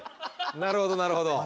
なるほどなるほど。